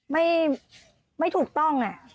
ไม่ไม่ถูกต้องอ่ะ